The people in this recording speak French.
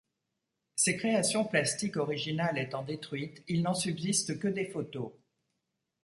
Ces créations plastiques originales étant détruites, il n'en subsiste que des photos.